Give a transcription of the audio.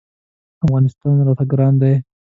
افغانستان راته ګران دی.